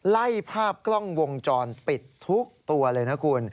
ไล่ภาพกล้องวงจรปิดทุกตัวเลยนะคุณ